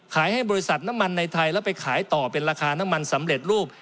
ให้บริษัทน้ำมันในไทยแล้วไปขายต่อเป็นราคาน้ำมันสำเร็จรูป